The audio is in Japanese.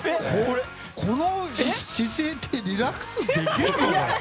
この姿勢ってリラックスできるのか？